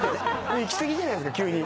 いき過ぎじゃないっすか。